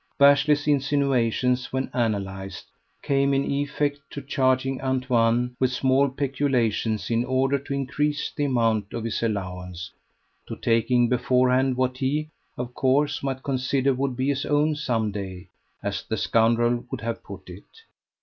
Bashley's insinuations, when analysed, came in effect to charging Antoine with small peculations in order to increase the amount of his allowance to taking beforehand what he, of course, might consider would be his own some day, as the scoundrel would have put it.